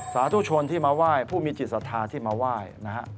สาธุชนที่มาไหว้ผู้มีจิตศาสตร์ที่มาไหว้นะครับ